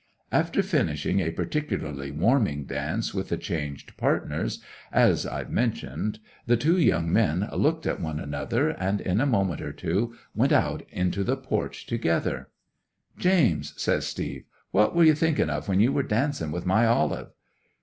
'After finishing a particularly warming dance with the changed partners, as I've mentioned, the two young men looked at one another, and in a moment or two went out into the porch together. '"James," says Steve, "what were you thinking of when you were dancing with my Olive?"